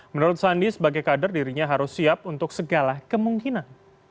menurut sandi sebagai kader dirinya harus siap untuk segala kemungkinan